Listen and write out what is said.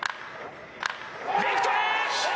レフトへ！